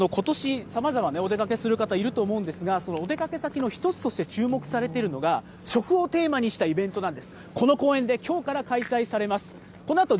ことしさまざまお出かけする方、いると思うんですが、そのお出かけ先の一つとして注目されているのが、食をテーマにしたイベントなんです。